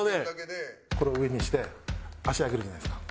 これを上にして足上げるじゃないですか。